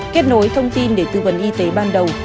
kết nối thông tin để tư vấn y tế ban đầu